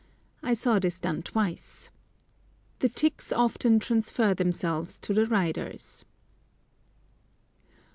I saw this done twice. The ticks often transfer themselves to the riders.